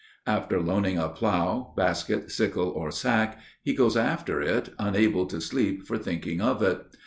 After loaning a plough, basket, sickle, or sack, he goes after it, unable to sleep for thinking of it.